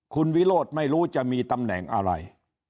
คุณวิโรธไม่รู้จะมีตำแหน่งอะไร